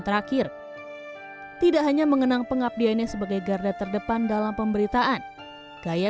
terakhir tidak hanya mengenang pengabdiannya sebagai garda terdepan dalam pemberitaan gaya